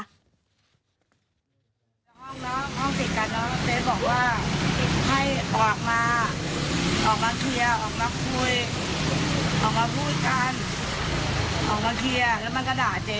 เจ๊ทรงตังเขา